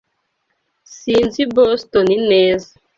Sinzi Boston neza.